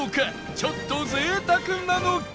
ちょっと贅沢なのか？